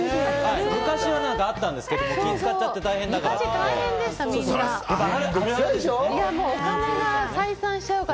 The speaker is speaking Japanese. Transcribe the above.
昔はあったんですけど、気を遣っちゃって大変だから。